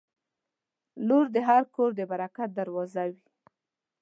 • لور د هر کور د برکت دروازه وي.